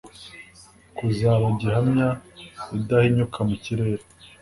kuzaba gihamya, idahinyuka mu kirere